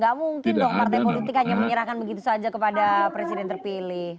tidak mungkin dong partai politik hanya menyerahkan begitu saja kepada pos menteri